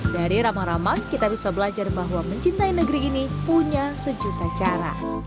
dari ramang ramang kita bisa belajar bahwa mencintai negeri ini punya sejuta cara